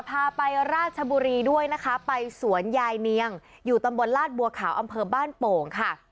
พาไปราชบุรีด้วยนะคะไปสวนยายเนียงอยู่ตำบลลาดบัวขาวอำเภอบ้านโป่งค่ะ